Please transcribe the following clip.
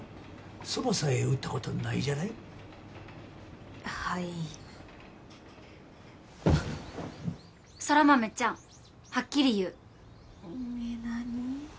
蕎麦さえ打ったことないじゃない？はいい空豆ちゃんはっきり言ううんえっ何？